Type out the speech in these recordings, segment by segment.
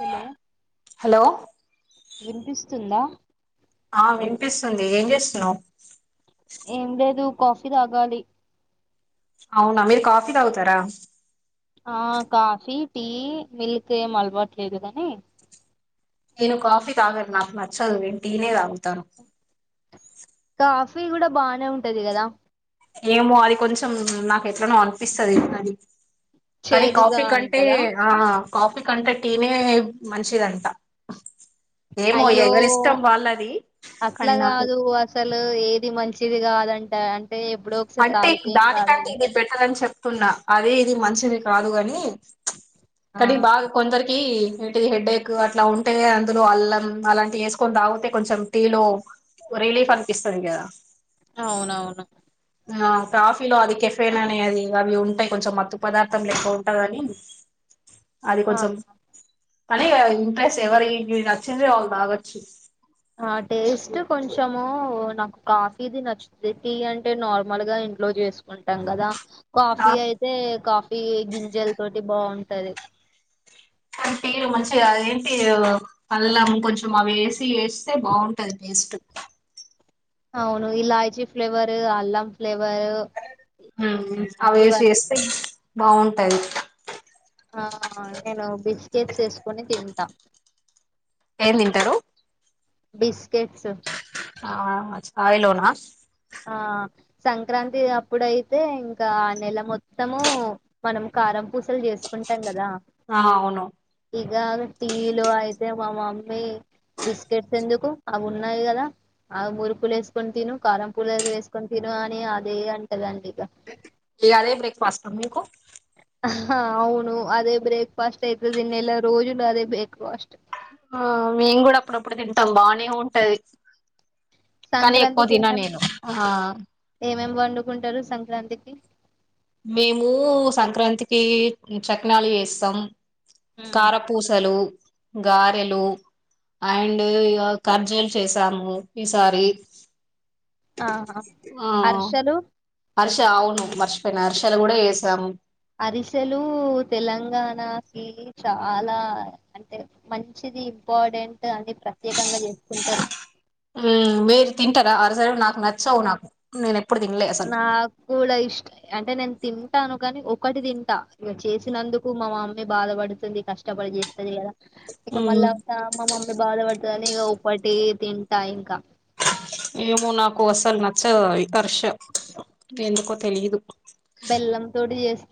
Hello hello వినిపిస్తుందా ఆ వినిపిస్తుంది ఏం చేస్తున్నావ్ ఏం లేదు కాఫీ తాగాలి అవునా మీరు కాఫీ తాగుతారా ఆ కాఫీ టీ మిల్క్ ఏం అలవాటు లేదు కానీ నేను కాఫీ తాగను నాకు నచ్చదు నేను టీ నే తాగుతాను కాఫీ కూడా బానే ఉంటది కదా ఏమో అది కొంచెం నాకు ఎట్లానో అనిపిస్తది అది కానీ చేదుగా కాఫీ కంటే ఉంటదా ఆ కాఫీ కంటే టీ నే మంచిదంట ఏమో అయ్యో ఎవరిష్టం వాళ్ళది అట్లా కానీ నాకు కాదు అసలు ఏది మంచిది కాదంటే దాన్ అంటే దానికంటే ఇది బెటర్ అని చెప్ పుల్ల అది ఇది మంచిది కాదు గని ఆ కానీ బాగా కొందరికి నటి హెడ్క్ అట్లా ఉంటే అందులో అల్లం అలాంటివి వేసుకొని తాగితే కొంచం టీ లో రిలీఫ్ అనిపిస్తది కదా అవునవును ఆ కాఫీలో అది కెఫేన్ అనే అది అవి ఉంటాయి కొంచెం మత్తు పదార్థం లేక్క ఉంటందని అది ఆ కొంచెం తనీ ఇంట్రెస్ట్ ఎవరి నచ్చింద వాళ్ళు తాగొచ్చు ఆ టేస్ట్ కొంచము నాకు కాఫీది నచ్చుంది టీ అంటే నార్మల్ గా ఇంట్లో చేసుకుంటాం కదా కాఫీ అయితే కాఫీ గింజల తోటి బాగుంటది ఓన్లీ టీ మంచిగా అదేంటి అల్లం కొంచెం అవి వేసి వేస్తే బాగుంటది టేస్ట్ అవును ఇలాచీ ఫ్లేవర్ అల్లం ఫ్లేవర్ అవిసి ఇవన్నీ చేస్తే బాగుంటది ఆ నేను బిచ్ స్కెట్స్ ఏసుకొని తింటాం బీస్ ఆహ కాయలోనా ఆ సంక్రాంతి అప్పుడైతే ఇంకా ఆ నెల మొత్తము మనం కారం పూసలు చేసుకుంటాం కదా ఆ అవును ఇగ టీలు అయితే మా మమ్మీ బిస్కెట్స్ ఎందుకు అవి ఉన్నాయి కదా అవి మురుకులు వేసుకుని తిను కారం పుల్లలు వేసుకుని తిను అని అదే అంటదండి ఇక ఇగ అదే బ్రేక్ఫాస్ట్ అందుకు అవును అదే బ్రేక్ఫాస్ట్ అయితది నెల రోజులు అదే బ్రేక్ఫాస్ట్ ఆ మేం కూడా అప్పుడప్పుడు తింటాం బానే ఉంటది కానీ ఎక్కువ సంక్రాంతికి తిన నేను ఆ ఎం వండుకుంటారు సంక్రాంతికి మేము సంక్రాంతికి చకనాలు చేస్తాం కారపూసలు గారెలు అండ్ ఖర్జలు చేసాము ఈసారి ఆహా ఆ అర్షలు హర్ష అవును మర్షిపోయిన హర్షలు కూడా చేసాము అరిసెలు తెలంగాణకి చాలా అంటే మంచిది ఇంపాడెంట్ అన్ని ప్రత్యేకంగా చేసుకుంటారు అరసలు నాకు నచ్చవు నాకు నేనె నా కూడా ఇష్ట అంటే నేన్ తింటాను కనీ ఒకటి తింటా ఇక చేసినందుకు మా మామ బాధపడుతుంది కష్టపడి చేస్తది కదా ఇక మ్మ్ మళ్ళా పా మ దంత బాధ పడి క నిగా ఒకటి తింటా ఇంకా ఏమో నాకు అసలు నచ్చదు వికర్ష ఎందుకో తెలిదు బెల్లం తోటి చేస్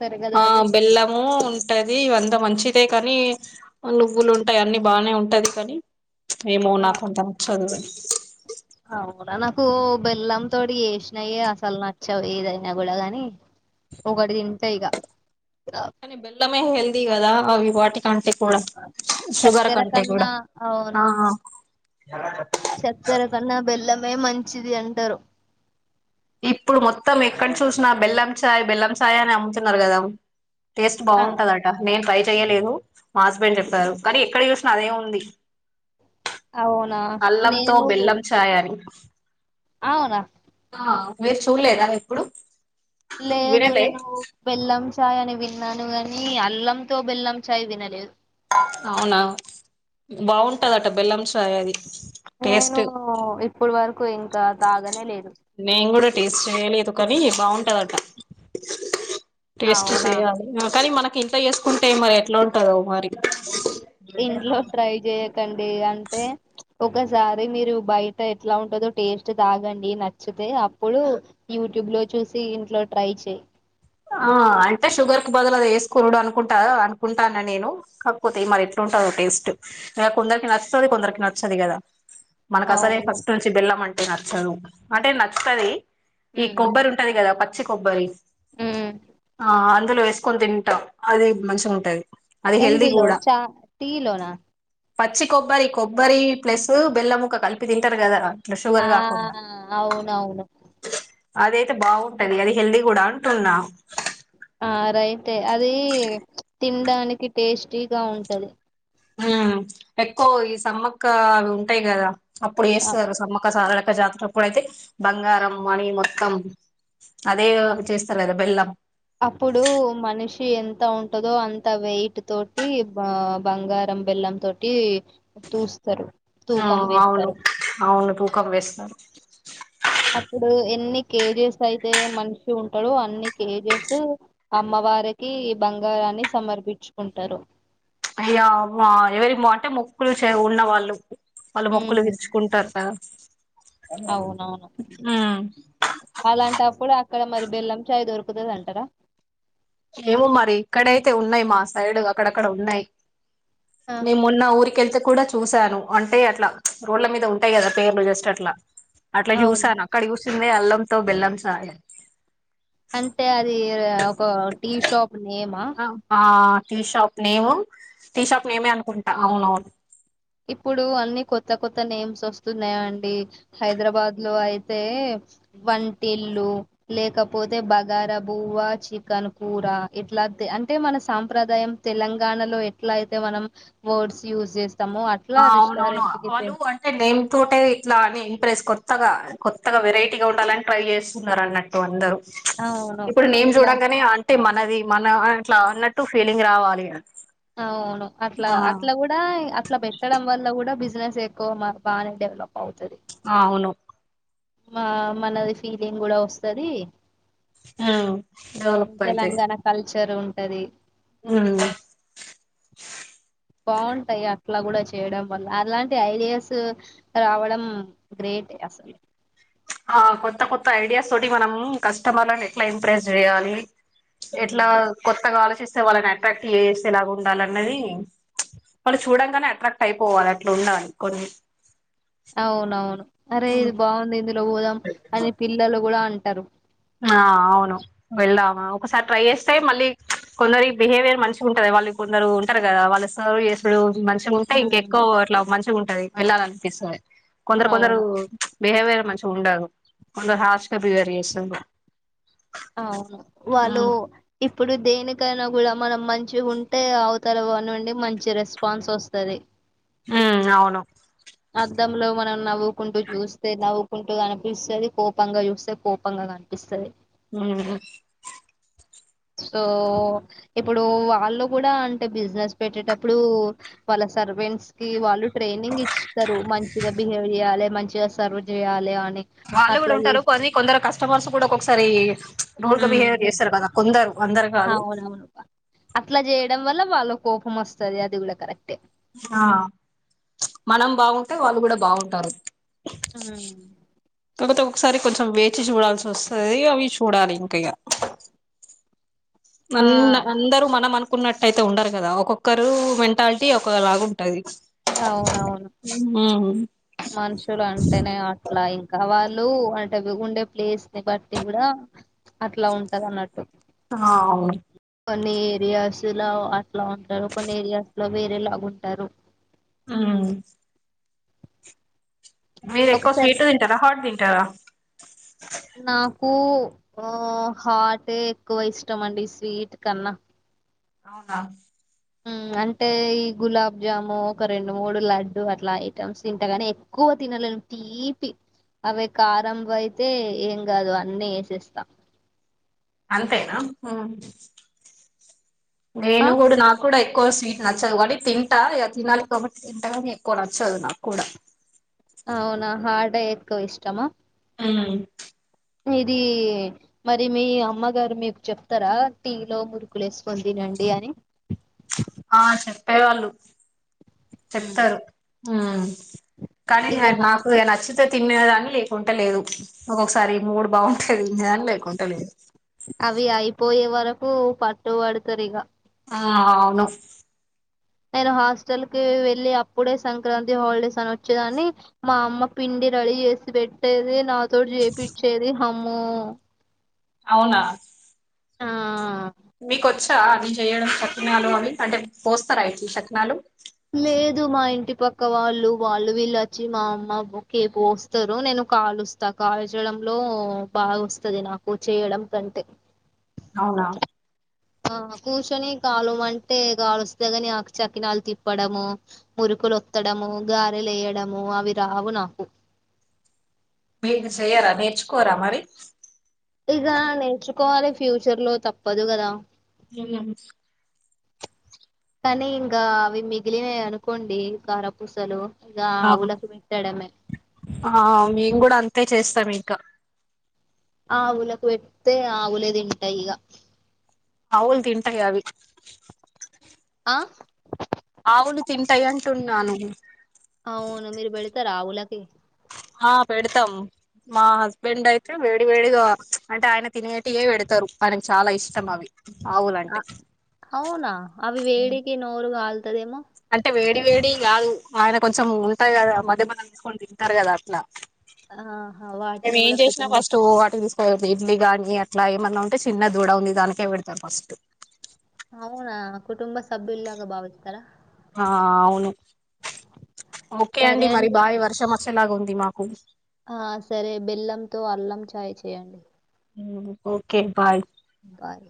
ఆ బెల్లము ఉంటది అంతా మంచి చ్చితే కానీ నువ్వులు ఉంటాయి అన్ని బాగానే ఉంటయి కానీ ఏమో ఆ నాకంత నచ్చదు కు బెల్లం తోటి చేసినయే అసలు నచ్చదు ఏదైనా కూడా కానీ ఒకటి తింటా ఇక కనీ బల్లమే హెల్ది కదా అవి వాటిీ కంటె షుగర్ చక్కెర కంటే కూడా చక్కర కన్నా బెల్లం మే మంచిది అంటరు ఇప్పుడు మొత్తం ఎక్కడ చూసినా బెల్లం చాయ్ బెల్లం చాయ్ అని అమ్ముతున్నారు గదా టేస్ట్ ఆ బావుంటదట నేను పై చేయలేదు మా హస్బెండ్ చెప్పారు కానీ ఎక్కడ చూసినా అదే ఉంది అవునా అల్లంతో నేను బెల్లం చాయి అని అవునా మీరు చూడలేదా ఎప్పుడు లేదు వినలే నేను బెల్లం చాయ్ అని విన్నాను గాని అల్లంతో బెల్లం చాయ్ వినలేదు అవునా బావుంటదట బెల్లం చాయ్ అది టేస్ట్ నేనూ ఇప్పుడు వర కు ఇంకా తాగానే లేదు నేన్ కూడా టేస్ట్ చేయలేదు కానీ బావుంటదట టేస్ట్ అవునా చేయాలి కానీ మనకు ఇంత చేసుకుంటే మరి ఎట్లా ఉంటదో మరి ఇంట్లో ట్రై చేయ తెండి అంటే ఒకసారి మీరు బయట ఎట్లా ఉంటుందో టేస్ట్ తాగండి నచ్చితే అప్పుడు యూట్యూబ్ లో చూసి ఇంట్లో ట్రై చెయ్ ఆ అంటే షుగర్ కి బదులు అది వేసుకునుడు అనుకుంటా అనుకుంటాన్న నేను కాకపోతే మరి ఎట్లుంటాదో టేస్ట్ ఇక కొందరికి నచ్చుతాది కొందరికి నచ్చది కదా మనకు అసలే అవును ఫస్ట్ నుంచి బెల్లంమంటే న చదువు అంటే నచ్చుతాది ఈ ఉమ్ కొబ్బరి ఉంటది కదా పత్ చ్చి కొబ్బరిస్ ఉమ్ ఆ ఆళ్ అందులో వేసుకొని తింటాం అది మంచిగా ఉంటాది ఎందులో చా టీ లోనా పచ్చి కొబ్బరి కొబ్బరి ప్లస్ బెల్లం ముక్క కలిపి తింటారు కదా ఇట్లా ఆ షుగర్ కాకుండా అవునవును అద అయితే బావుంటది అది హెల్దీ కూడా అంటున్నా ఆ రైటే అది తినడానికి టేస్టీగా ఉంటది హ్మ్ ఎక్కువ ఈ సమ్మక్క అవి ఉంటాయి గదా అప్పుడు ఆ ఏస్తారు సమ్మక్కసార జాతర కూడా అయితే బంగారం మణి మొత్తం అదే చేస్తారు కదా బెల్లం. అప్పుడు మనిషి ఎంత ఉంటదో, అంత వెయిట్ తోటి బ బంగారం బెల్లం తోటి చూస్తారు. ఆ అవును అవును కుఖం వేస్తాను. అప్పుడు ఎన్ని కేజెస్ అయితే మనిషి ఉంటాడో. అన్ని కేజెస్ అమ్మవారికి ఈ బంగారాన్ని సమర్పించుకుంటారు. అయ్యా ఎవరి అంటే మొక్కులు చే ఉన్నవాళ్ళు వాళ్ళు మొక్కలు ఉమ్ విరుచుకుంటార అవునవును అలాంటప్పుడు ఇక్కడ మరి బెల్లం చాయ్ దొరుకుతుంది అంటారా. ఏమో మరి ఇక్కడైతే ఉన్నాయి. మా సైడ్ అక్కడక్కడ ఉన్నాయి. ఆహా నిం మొన్న ఊరికెల్తే కూడా చూశాను అంటే అట్లా రోడ్ల మీద ఉంటాయి కదా. పేర్లు జస్ట్ అట్లా అట్లా అవును జూసాను అక్కడి జుసి చింది అల్లంతో బెల్లం చాయ్ అంటే అది ఒక టీషాప్ అబ్బా tea shop name tea shop నేమే అనుకుంటా అవునవును. ఇప్పుడు అన్ని కొత్త కొత్త నేమ్స్ వస్తున్నాయా అండి. హైదరాబాద్ లో అయితే వంటిల్లు లేకపోతే బగార బువ్వా, చికన్ కూర ఇట్లా అంటే మన సాంప్రదాయం తెలంగాణలో ఎట్లా అయితే మనం వర్డ్స్ యూస్ చేస్త ఆ అవునవును వాళ్లు అంటే నేమ్ తోటే ఇట్లా అని ప్రేస్ కొత్తగా, కొత్తగా వెరైటీగా ఉండాలని ట్రై చేస్తున్నారు అన్నట్టు అందరు. అవును ఇప్పుడు నేం ఇట్లా చూడంగానే అంటే మన అది మనం అట్లా అన్నట్టు ఫీలింగ్ రావాలి. అవును అట్లా అట్లా ఆ కూడా అట్లా పెట్టడం వల్ల కూడా బిజ బిజినెస్ ఎక్కువ బాగానే డవలప్ అవుతది. ఆ అవును మా మనది ఫీలింగ్ కూడా వస్తుది. ఆ డెవలప్ అయితే జర ఉంటది. ఉమ్ బాగుంటాయి. అట్లా కూడా చేయడం వల్ల అలాంటి ఐడియాస్ రావడం గ్రేట్ అసలు. ఆ కొత్త కొత్త ఐడియాస్ తోటి మనం కస్టమర్లను ఎట్లా ఇంప్రెస్ చేయాలి. ఉమ్. ఎట్లా కొత్తగాఆలోచిస్త వాళ్ళని అట్రాక్ట్ చేస్తేలాగా ఉండాల అన్నది చ్ వాళ్ళు చూడంగానే అట్రాక్ట్ అయిపోవాలి. అట్లా ఉండాలి కొన్ని అవునవును అరే ఇది బాఉంది ఇందులో పోదాం అని పిల్లలు కూడా అంటారు ఆ అవును వెళ్దామా ఒకసారి ట్రై చేస్తే మళ్ళీ కొందరు బిహేవియర్ మంచి ఉంటది వాళ్ళు కొందరు ఉంటారు కదా వాళ్ళు సర్వ్ చేసుడు మ మంచి ఉంటే ఇంక ఉమ్. ఎక్కువ అట్లా మంచిగా ఉంటది వేళ్ళా లనిపిస్తది కొందరు కొందరు అవును బిహేవియర్ మంచిగుండరు కొందరు హాష్గా బివేర్ చేస్తరు ఆ వాళ్ళు ఇప్ప ఇప్పుడు దేనికైనా కూడా మనం మంచి ఉంటే అవుతారు నుండి మంచి రెస్పాన్స్ వస్తది ఉమ్ అవును ంలో మనం నవ్వుకుంటూ చూస్తే నవ్వుకుంటూ కనిపిస్తది కోపంగా చూస్తే కోపంగా కనిపిస్తది ఉహు సో ఇప్పుడు వాళ్ళు గూడా అంటే బిజినెస్ పెట్టేటప్పుడు వాళ్ళ సర్వెంట్స్ కి వాళ్ళు ట్రైనింగ్ ఇచ్స్తతరు మంచిగా బిహేవ్ చేయ్యాలి మంచి సర్వ్ జెయాలె అన్ వాళ్ళు గూడా ఉంటారు కొన్ని కొందరు కస్టమర్స్ కూడా ఒక ఒకొసారి రూడ్ గ బిహేవ్ చేస్తరు కదా కొందరు అందరు కాదు అవునావును అట్లా జే డం వల్ల వాళ్ళ కోపం ఒస్తది అది ఊడ కరెక్టే ఆ మనం బాగుంటే వాళ్ళు గూడ బాఉంటరు మ్ తె ఒకసారి కొంచెం వేచి చూడాల్సి ఒస్తది అవి చూడాలి ఇంకిగ ఆ అన్న అందరూ మనం అను కున్నట్టు ఐతే ఉండరు గదా ఒక్కొక్కరు మెంటాలిటీ ఒక్కొ లా ఉంటది అవునవును మ్ మనుషులు అంటేనే అట్లా ఇంకా వాళ్ళు అంటేవి ఉండే ప్లేస్ ని బట్టి కూడా అట్లా ఉంటది అన్నట్టు ఆ కొన్ని ఏరియాస్ లో అట్లా ఉంటరు కొన్ని ఏరియాస్ లో వేరే లాగుంటరు మ్ మీరు ఎక్కువ ఒకసారి స్వీటు తింటర హాట్ తిం గదా నా కు ఆ హాటే ఎక్కువ ఇష్టం అండి స్వీట్ కన్నా అవునా మ్మ్ అంటే ఈ గులాబ్జాము ఒక రెండు మూడు లడ్డు అట్లా ఐటమ్స్ తింటగాని, ఎక్కువ తినలేను తీపి అవే కారం అయితే ఏం కాదు అన్నీ ఎసేస్తా. అంతేనా మ్ ఆ నేను గూడా నాకు కూడ ఎ క్కువ స్వీట్ నచ్చదు గానీ తింటా ఇగ తినాలి గాబట్టి తింటా కానీ ఎక్కువ నచ్చదు నాకు కూడా. అవునా! హాటే ఎక్కువ ఇష్టమా? హ్మ్ ఇదీ మరి మీ అమ్మగారు మీకు చెప్తరా టీ లో మురుకులు ఏసుకొని తినండి అని. ఆ చెప్పే వాళ్ళు. ఉమ్. చెప్తారు మ్మ్ కానీ ఇక నా నాకు నచ్చితే తిన్నే దాన్ని లేకుంటే లేదు. ఒక్కొక్కసారి మూడు బాగుంటే అవి అయిపోయే వర కు పట్టు పడుతరిగ ఆ అవును నేను హాస్టల్ కి వెళ్ళి అప్పుడే సంక్రాంతి హాలిడేస్ అని వచ్చేదాన్ని, మా అమ్మ పిండి రెడీ జేసి పెట్టేది నా తోటి జేపిచ్చేది అం మ్మో అవునా ఆ మీకు వచ్చా అవి చెయ్యడం సకినాలు అవి అంటే పోస్తరా ఎట్ల సకినాలు లేదు మా ఇంటి పక్క వాళ్ళు వాళ్ళు వీళ్ళు అచ్చి మా అమ్మ బొకేేపు పోస్తరు నేను కాలుస్తా. కాల్చడంలో బాగా వస్తది, నాకు చేయడం కంటే అవునా ఆ కూసొని కాలువు మంటే గాలుస్త గాని ఆ సకినాలు తిప్పడము, మురుకులొత్తడము, గారెలేయడము, అవి రావు నాకు. మీరు సేయ్యరా నేర్చుకోరా మరి? ఇగ నేర్చుకోవాలి ఫ్యూచర్ లో తప్పదు గదా. [unintelligible] కనీ ఇంగా అవి మిగిలినయి అనుకోండి కారపూసలు ఇక ఆ ఆవులకు పెట్టడమే ఆ మేము గూడా అంతే చేస్తమి క ఆవులకు పెడ్తే ఆవులే తింటాయి ఇగ ఆవుల్ తింటాయి అవి అ అవును తింటాయి అంటుంన్నాను. అవును మీరు పెడుతర ఆవుల ది ఆ పెడతాం మా హస్బెండ్ అయితే వేడి వేడిగా ప్చ్ అంటే ఆయన తినేటియే పెడుతరు ఆయనకి చాలా ఇష్టం అవి. ఆవులంటే అ అవునా అవి వేడకి నోరు కాల్ తదేమో! అంటే వేడి వేడిగ గాదు. ఆయన కొంచెం ఉంటాయి కదా మధ్య మనం తీసుకొని తింటారు కదా అట్లా. ఆ హా వాటిని కూడ కుటుంబ పురి ఇడ్లీ గాని అట్లా ఏమన్నా ఉంటే చిన్న దూడ ఉంది దానికే పెడుతరు ఫస్ట్. అవునా కుటుంబ సభ్యుల్లాగా భావిస్తారా ఆ అవును ఓకే అండి మరి భావి వర్షం వచ్చేలాగా ఉంది దిమాకు ఆ సరే బెల్లంతో అల్లం చాయ్ చేయండి ఓకే బాయ్ బాయ్